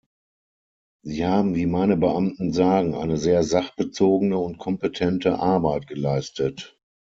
Sie haben wie meine Beamten sagen eine sehr sachbezogene und kompetente Arbeit geleistet.